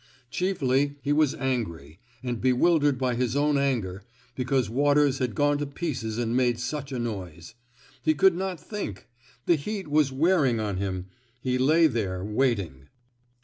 Chiefly, he was angry — and bewildered by his own anger — because Waters had gone to pieces and made such a noise. He could not think. The heat was wearing on him. He lay there, waiting.